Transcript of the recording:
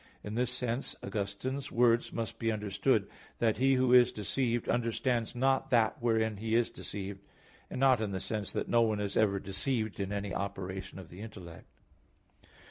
In this sense Augustine's words must be understood, "that he who is deceived, understands not that wherein he is deceived;" and not in the sense that no one is ever deceived in any operation of the intellect.